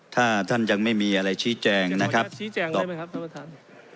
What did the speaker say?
ถ้าท่านยังไม่มีอะไรชี้แจงนะครับชี้แจงต่อไปครับท่านประธาน